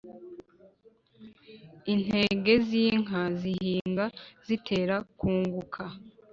intege z’inka zihinga zitera kunguka